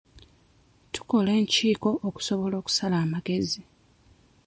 Tukola enkiiko okusobola okusala amagezi.